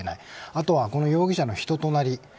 あとは容疑者の人となり